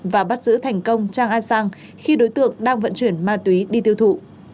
và bắt giữ thành công trang a sang khi đối tượng đang vận chuyển ma túy đi tiêu thụ